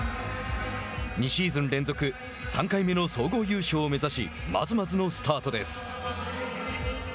２シーズン連続、３回目の総合優勝を目指しまずまずのスタートです。